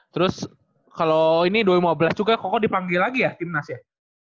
terus kalau ini dua ribu lima belas juga kok dipanggil lagi ya tim nas ya